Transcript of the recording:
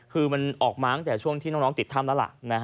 คือมันออกมาตั้งแต่ช่วงที่น้องติดถ้ำแล้วล่ะ